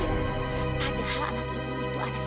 padahal anak ibu ini ibu selalu mempercayai dia